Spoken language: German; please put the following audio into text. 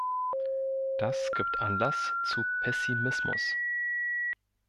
Das gibt Anlass zu Pessimismus.